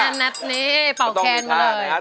นัทนัทนี้เป่าแค้นมาเลย